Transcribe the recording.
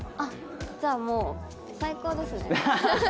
じゃあもう最高ですね。